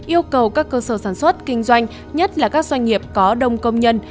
yêu cầu các cơ sở sản xuất kinh doanh nhất là các doanh nghiệp có đông công nhân